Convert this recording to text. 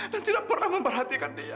tidak pernah memperhatikan dia